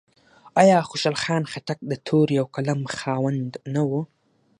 آیا خوشحال خان خټک د تورې او قلم خاوند نه و؟